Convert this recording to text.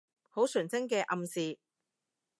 好純真嘅暗示